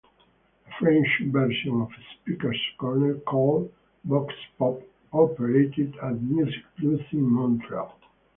A French version of "Speakers' Corner", called "VoxPop", operated at MusiquePlus in Montreal.